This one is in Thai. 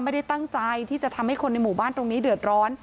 ไม่ได้ตั้งใจที่จะทำให้คนในหมู่บ้านตรงนี้เดือดร้อน